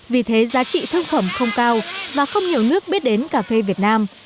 vì thế giá trị thương phẩm không cao và không nhiều nước biết đến cà phê việt nam